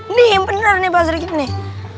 ini yang bener nih pasir giti nih